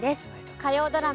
火曜ドラマ